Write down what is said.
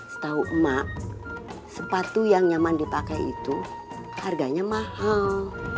setau emak sepatu yang nyaman dipakai itu harganya mahal